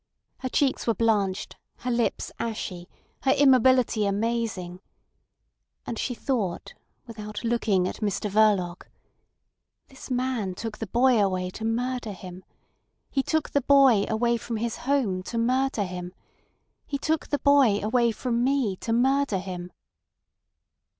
Her cheeks were blanched, her lips ashy, her immobility amazing. And she thought without looking at Mr Verloc: "This man took the boy away to murder him. He took the boy away from his home to murder him. He took the boy away from me to murder him!"